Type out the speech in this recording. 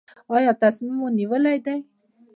ایا تصمیم مو نیولی دی؟